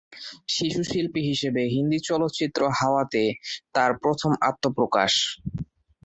শিশুশিল্পী হিসেবে হিন্দি চলচ্চিত্র হাওয়া তে তার প্রথম আত্মপ্রকাশ।